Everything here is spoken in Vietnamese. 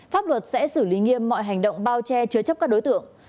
pháp luật sẽ xử lý nghiêm mọi hành động bao che chứa chấp các đối tượng